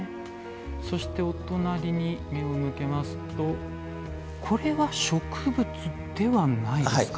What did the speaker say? そして、お隣に目を向けますとこれは、植物ではないですか。